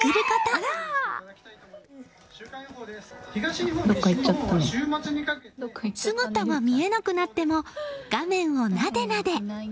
姿が見えなくなっても画面をなでなで。